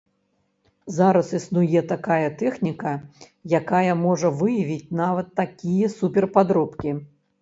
Зараз існуе такая тэхніка, якая можа выявіць нават такія супер-падробкі.